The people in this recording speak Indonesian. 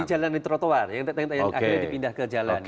di jalanan di trotoar yang akhirnya dipindah ke jalan